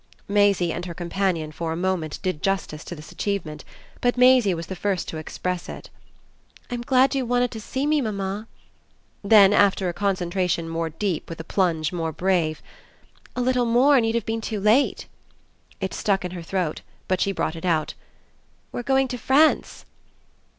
Maisie and her companion, for a moment, did justice to this achievement; but Maisie was the first to express it. "I'm glad you wanted to see me, mamma." Then after a concentration more deep and with a plunge more brave: "A little more and you'd have been too late." It stuck in her throat, but she brought it out: "We're going to France."